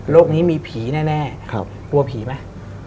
โลกนี้มีผีแน่